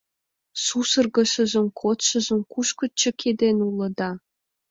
Сусыргышыжым, кодшыжым кушко чыкеден улыда?